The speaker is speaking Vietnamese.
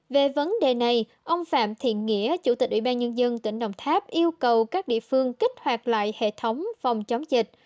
về vấn đề này ông phạm thiện nghĩa chủ tịch ủy ban nhân dân tỉnh đồng tháp yêu cầu các địa phương kích hoạt lại hệ thống phòng chống dịch